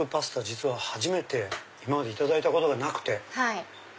実は初めて今までいただいたことがなくて。